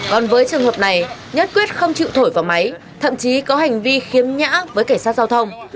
còn với trường hợp này nhất quyết không chịu thổi vào máy thậm chí có hành vi khiếm nhã với cảnh sát giao thông